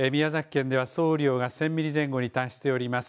宮崎県では総雨量が１０００ミリ前後に達しております。